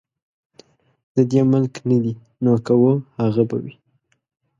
د دې ملک نه دي نو که وه هغه به وي.